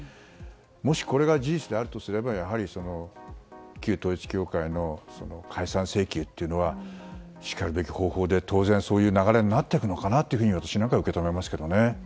もし、これが事実であるとすれば旧統一教会の解散請求というのはしかるべき方法で当然そういう流れになっていくのかなと私なんかは受け止めますけどね。